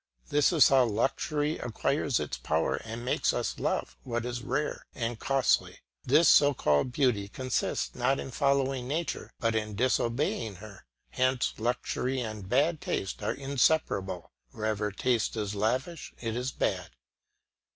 This is how luxury acquires its power and makes us love what is rare and costly; this so called beauty consists, not in following nature, but in disobeying her. Hence luxury and bad taste are inseparable. Wherever taste is lavish, it is bad.